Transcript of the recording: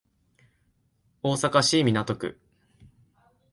大阪市港区